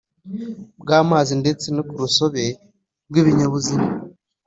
Bw amazi ndetse no ku rusobe rw ibinyabuzima